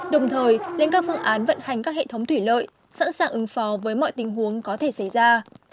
đồng thời lên các phương án vận hành các hệ thống thủy lợi sẵn sàng ứng phó với mọi tình huống có thể xảy ra